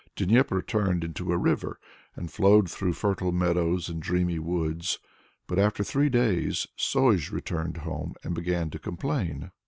Dnieper turned into a river, and flowed through fertile meadows and dreamy woods. But after three days, Sozh returned home and began to complain.